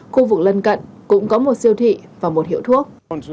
khu vực lân cận cũng có một siêu thị và một hiệu thuốc